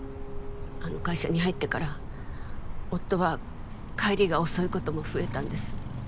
あの会社に入ってから夫は帰りが遅いことも増えたんです。